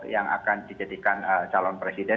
yang akan dijadikan calon presiden